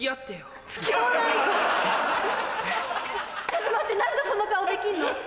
ちょっと待って何でその顔できんの？